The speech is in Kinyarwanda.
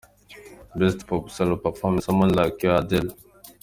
Best Pop Solo Performance – Someone Like You, Adele.